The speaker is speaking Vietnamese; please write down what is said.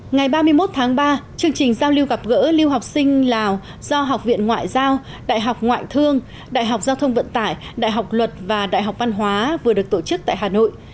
ngày ba mươi một tháng ba chương trình giao lưu gặp gỡ lưu học sinh lào do học viện ngoại giao đại học ngoại thương đại học giao thông vận tải đại học luật và đại học văn hóa vừa được tổ chức tại hà nội